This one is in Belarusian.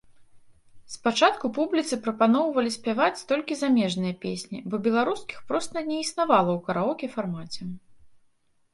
Спачатку публіцы прапаноўвалі спяваць толькі замежныя песні, бо беларускіх проста не існавала ў караоке-фармаце.